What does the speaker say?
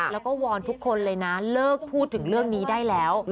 แล้วก็วอนทุกคนเลยนะเลิกพูดถึงเรื่องนี้ได้แล้ว